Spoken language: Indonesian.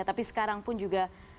tapi sekarang pun juga